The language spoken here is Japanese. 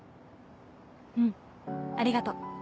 うんありがと。